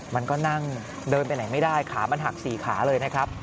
มันก็นั่งเดินไปไหนไม่ได้ขามันหัก๔ขาเลยนะครับ